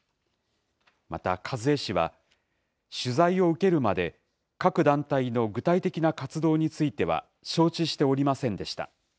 また、一衛氏は取材を受けるまで、各団体の具体的な活動については承知しておりませんでした。